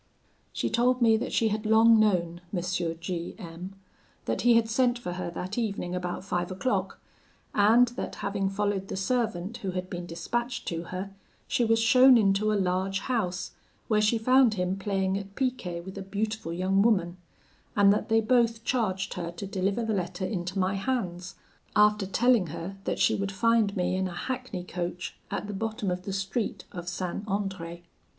"She told me that she had long known M. G M ; that he had sent for her that evening about five o'clock; and that, having followed the servant who had been dispatched to her, she was shown into a large house, where she found him playing at picquet with a beautiful young woman; and that they both charged her to deliver the letter into my hands, after telling her that she would find me in a hackney coach at the bottom of the street of St. Andre.